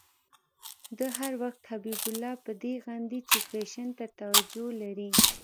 ده هر وخت حبیب الله په دې غندی چې فېشن ته توجه لري.